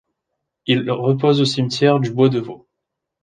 Il repose au cimetière du Bois-de-Vaux.